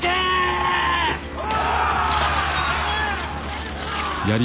お！